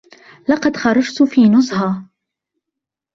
لقد خرجت في نزهة.